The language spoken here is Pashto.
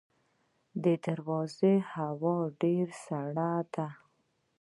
د درواز هوا ډیره سړه ده